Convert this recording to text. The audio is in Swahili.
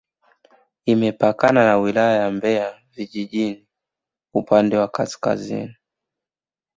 Imepakana na Wilaya ya Mbeya vijijini upande wa kaskazini